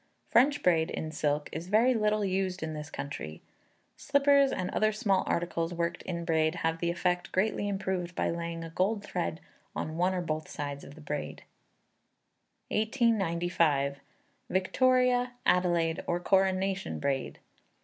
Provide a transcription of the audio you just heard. French braid, in silk, is very little used in this country. Slippers and other small articles worked in braid have the effect greatly improved by laying a gold thread on one or both sides of the braid. 1895. Victoria, Adelaide, or Coronation Braid.